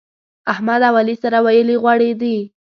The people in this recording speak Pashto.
احمد او علي سره ويلي غوړي دي.